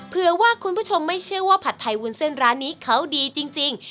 เพื่อว่าคุณผู้ชมไม่เชื่อว่าผัดไทยวุ้นเส้นร้านนี้เขาดีจริง